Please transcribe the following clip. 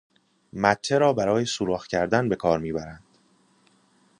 مته را برای سوراخ کردن به کار میبرند.